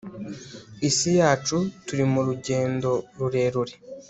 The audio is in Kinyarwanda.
si iyacu, turi mu rugendo rurerure